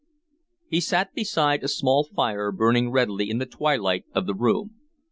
He sat beside a small fire burning redly in the twilight of the room.